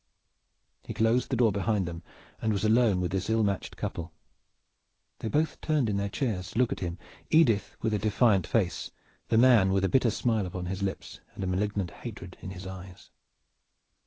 He closed the door behind them and was alone with this ill matched couple. They both turned in their chairs to look at him, Edith with a defiant face, the man with a bitter smile upon his lips and malignant hatred in his eyes.